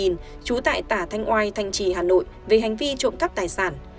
trú tại tả thanh oai thanh trì hà nội về hành vi trộm cắp tài sản